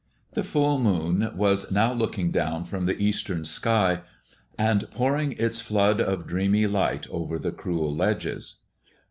The full moon was now looking down from the eastern sky, and pouring its flood of dreamy light over the cruel ledges.